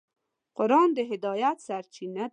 قرآن د هدایت سرچینه ده.